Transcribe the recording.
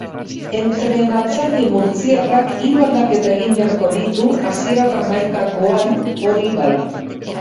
Entrenatzaile murtziarrak hiru aldaketa egin beharko ditu hasierako hamaikakoan, hori bai.